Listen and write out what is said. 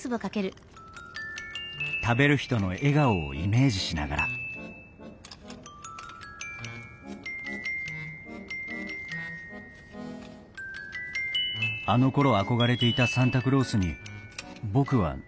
食べる人の笑顔をイメージしながらあのころ憧れていたサンタクロースに僕はなれているのだろうか？